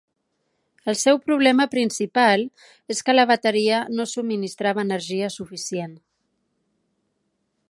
El seu problema principal és que la bateria no subministrava energia suficient.